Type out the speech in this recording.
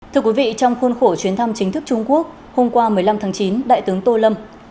thưa quý vị trong khuôn khổ chuyến thăm chính thức trung quốc hôm qua một mươi năm tháng chín đại tướng tô lâm